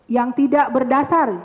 yang tidak berdasar